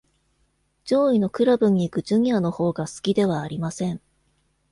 上位のクラブに行くジュニアのほうが好きではありません。